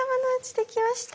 できました！